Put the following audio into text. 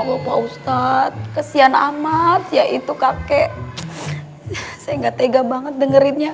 jadi gitu ceritanya positif ya